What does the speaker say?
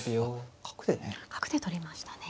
角で取りましたね。